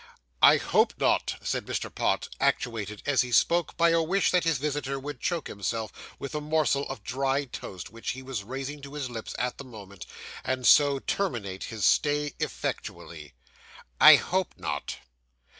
'I hope not,' said Mr. Pott, actuated, as he spoke, by a wish that his visitor would choke himself with the morsel of dry toast which he was raising to his lips at the moment, and so terminate his stay effectually. 'I hope not.